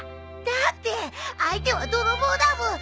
だって相手は泥棒だブー。